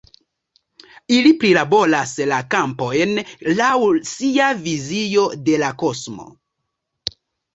Ili prilaboras la kampojn laŭ sia vizio de la kosmo.